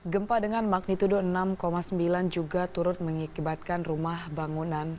gempa dengan magnitudo enam sembilan juga turut mengibatkan rumah bangunan